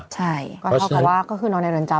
ใช่ก็เท่ากับว่าก็คือนอนในเรือนจำ